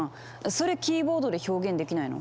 それキーボードで表現できないの？